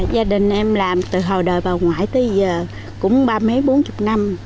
gia đình em làm từ hồi đời bà ngoại tới giờ cũng ba mấy bốn chục năm